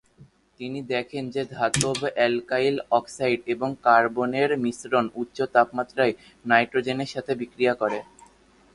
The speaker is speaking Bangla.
তিনি দেখেন যে ধাতব অ্যালকাইল অক্সাইড এবং কার্বনের মিশ্রণ উচ্চ তাপমাত্রায় নাইট্রোজেনের সাথে বিক্রিয়া করে।